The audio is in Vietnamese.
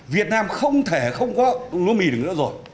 việt nam không thể không có lúa mì được nữa rồi